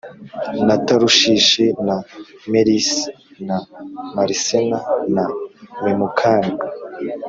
na Tarushishi na Meresi na Marisena na Memukani